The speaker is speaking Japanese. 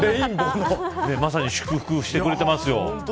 まさに祝福してくれてますよ。